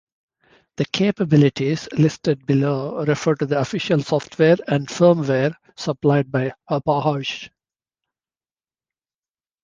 The capabilities listed below refer to the official software and firmware supplied by Hauppauge.